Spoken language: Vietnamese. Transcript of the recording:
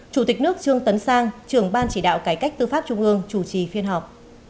hai nghìn một mươi sáu chủ tịch nước trương tấn sang trưởng ban chỉ đạo cải cách tư pháp trung ương chủ trì phiên họp